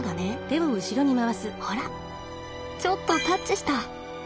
ほらちょっとタッチした。